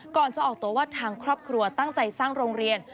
ก่อนจะออกตัวว่าทางครอบครัวตั้งใจสร้างโรงเรียน